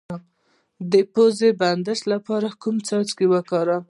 د پوزې د بندیدو لپاره کوم څاڅکي وکاروم؟